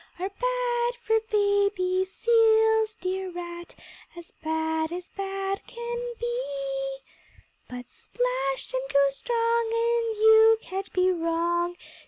Are bad for baby seals, dear rat, As bad as bad can be; But splash and grow strong, And you can't be wrong.